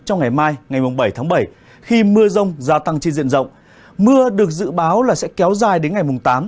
trong ngày mai ngày bảy tháng bảy khi mưa rông gia tăng trên diện rộng mưa được dự báo là sẽ kéo dài đến ngày tám